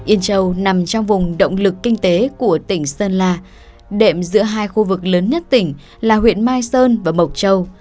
yên châu nằm trong vùng động lực kinh tế của tỉnh sơn la đệm giữa hai khu vực lớn nhất tỉnh là huyện mai sơn và mộc châu